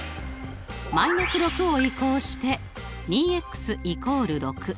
−６を移項して２＝６。